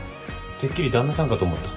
てっきり旦那さんかと思った。